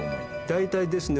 大体ですね